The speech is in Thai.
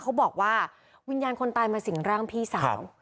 เขาบอกว่าวิญญาณคนตายมาสิ่งร่างพี่สาว